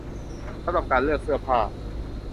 สำหรับการเลือกเสื้อผ้า